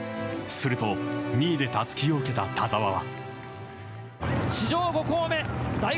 すると、２位でたすきを受けた田澤は。